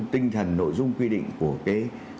tinh thần nội dung quy định của cái